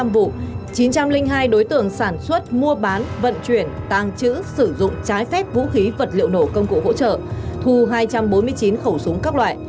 một mươi năm vụ chín trăm linh hai đối tượng sản xuất mua bán vận chuyển tàng trữ sử dụng trái phép vũ khí vật liệu nổ công cụ hỗ trợ thu hai trăm bốn mươi chín khẩu súng các loại